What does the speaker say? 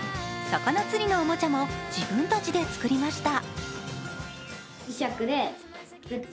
魚釣りのおもちゃも自分たちで作りました。